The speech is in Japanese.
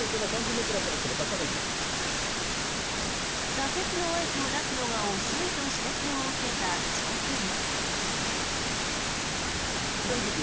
左折の合図を出すのが遅いと指摘を受けた直後。